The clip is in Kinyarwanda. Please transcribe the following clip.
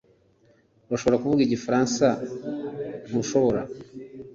Urashobora kuvuga igifaransa ntushobora